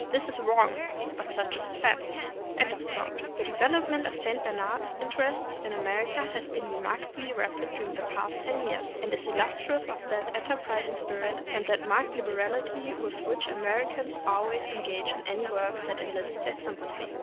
This is wrong, but such is the fancy. The development of St. Bernard interests in Amer ica has been remarkably rapid during the past ten years, and is illustrative of that enterprising spirit and that marked liberality with which Americans always engage in any work that enlists their sympathy.